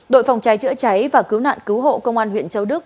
đội phòng cháy chữa cháy và cứu nạn cứu hộ công an huyện châu đức